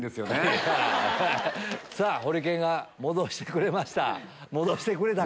ホリケンが戻してくれました。